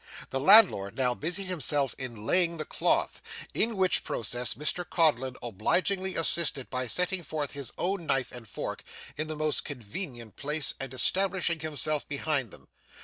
The landlord now busied himself in laying the cloth, in which process Mr Codlin obligingly assisted by setting forth his own knife and fork in the most convenient place and establishing himself behind them.